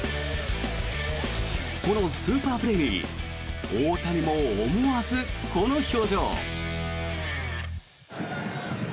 このスーパープレーに大谷も思わずこの表情。